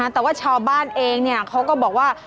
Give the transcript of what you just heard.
แต่ว่าชาวบ้านเองเขาก็บอกว่า